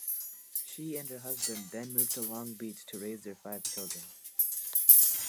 She and her husband then moved to Long Beach to raise their five children.